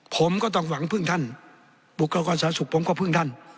ผมก็ต้องหวังพึ่งท่านบุคลากรสาสุขผมก็พึ่งท่าน